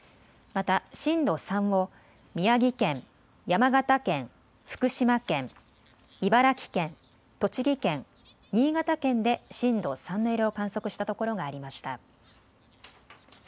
また震度３を宮城県、山形県、福島県、茨城県、栃木県、新潟県で震度３の揺れを観測したところがありました。